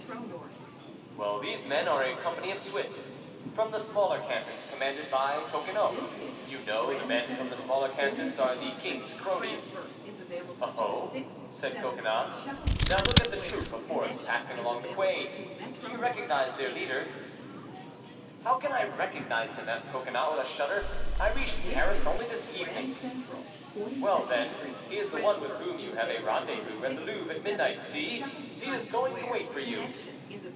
"Well, these men are a company of Swiss, from the smaller cantons, commanded by Toquenot,—you know the men from the smaller cantons are the King's cronies." "Oho!" said Coconnas. "Now look at that troop of horse passing along the Quay—do you recognize their leader?" "How can I recognize him?" asked Coconnas, with a shudder; "I reached Paris only this evening." "Well, then, he is the one with whom you have a rendezvous at the Louvre at midnight. See, he is going to wait for you!"